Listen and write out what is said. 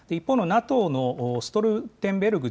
一方のＮＡＴＯのストルテンベルグ